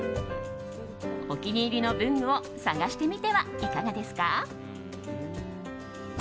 お気に入りの文具を探してみてはいかがですか？